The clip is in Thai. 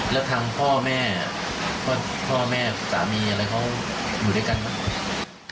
แล้วทางพ่อแม่พ่อแม่สามีอะไรเขาอยู่ด้วยกันไหม